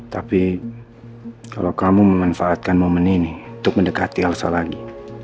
tapi kalau kamu memanfaatkan momen ini untuk mendekati alsa lagi